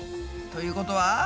ということは？